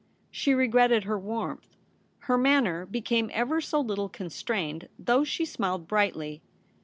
She regretted her warmth. Her manner became ever so little constrained, though she smiled brightly.